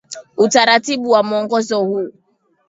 Utaratibu wa mwongozo huu